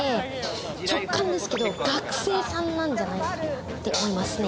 直感ですけど、学生さんなんじゃないかなって思いますね。